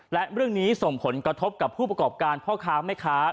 และเรื่องนี้ส่งผลกระทบกับผู้ประกอบการพ่อค้าแม่ค้า